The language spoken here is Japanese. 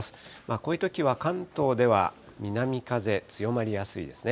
こういうときは関東では南風強まりやすいですね。